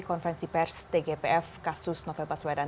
konferensi pers tgpf kasus novel baswedan